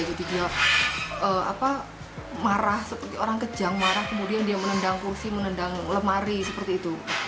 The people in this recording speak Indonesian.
jadi dia marah seperti orang kejang marah kemudian dia menendang kursi menendang lemari seperti itu